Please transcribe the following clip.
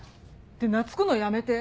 って懐くのやめて。